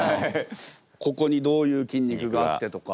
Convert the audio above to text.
ここにどういう筋肉があってとか。